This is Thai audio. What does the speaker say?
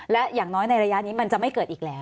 และอย่างน้อยในระยะนี้มันจะไม่เกิดอีกแล้ว